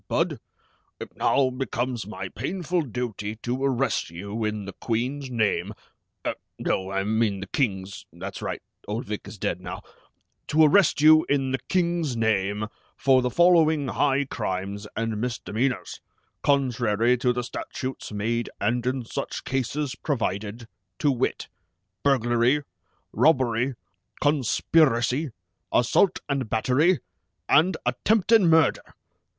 Budd, it now becomes my painful duty to arrest you in the Queen's name er, no, I mean the King's (that's right, old Vic is dead now), to arrest you in the King's name for the following high crimes and misdemeanors, contrary to the statutes made and in such cases provided, to wit: Burglary, Robbery, Conspiracy, Assault and Battery, and Attempted Murder!